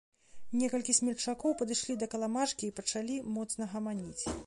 Некалькі смельчакоў падышлі да каламажкі і пачалі моцна гаманіць.